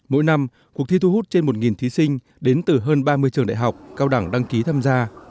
mỗi năm cuộc thi thu hút trên một thí sinh đến từ hơn ba mươi trường đại học cao đẳng đăng ký tham gia